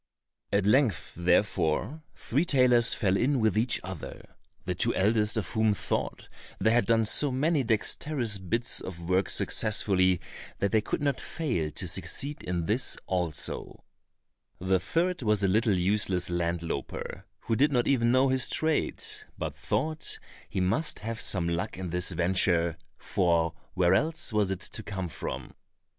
At length, therefore, three tailors fell in with each other, the two eldest of whom thought they had done so many dexterous bits of work successfully that they could not fail to succeed in this also; the third was a little useless land louper, who did not even know his trade, but thought he must have some luck in this venture, for where else was it to come from?